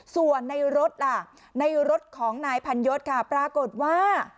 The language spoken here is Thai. ส่วนในรถล่ะในรถของนายพันยศค่ะปรากฏว่า